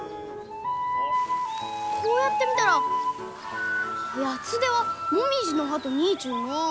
こうやって見たらヤツデはモミジの葉と似ちゅうのう！